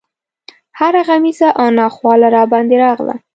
هره غمیزه او ناخواله راباندې راغله.